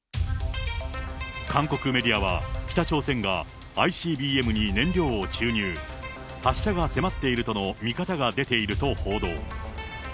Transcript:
韓国メディアは、北朝鮮がＩＣＢＭに燃料を注入、発射が迫っているとの見方が出ていると報道。